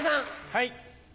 はい。